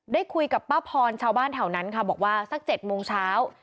ได้คุยกับป้าพรชาวบ้านแถวนั้นค่ะบอกว่าสัก๗โมงเช้า